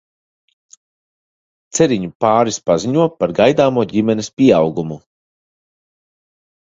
Ceriņu pāris paziņo par gaidāmo ģimenes pieaugumu.